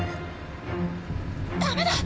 ダメだ！